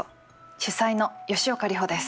主宰の吉岡里帆です。